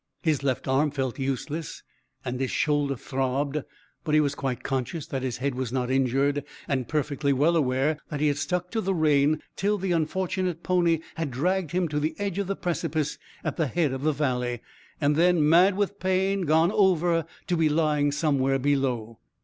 His left arm felt useless, and his shoulder throbbed, but he was quite conscious that his head was not injured, and perfectly well aware that he had stuck to the rein till the unfortunate pony had dragged him to the edge of the precipice at the head of the valley, and then, mad with pain, gone over, to be lying somewhere below.